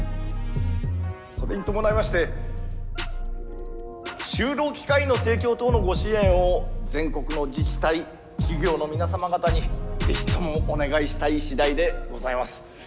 それに伴いまして就労機会の提供等のご支援を全国の自治体企業の皆様方にぜひともお願いしたい次第でございます。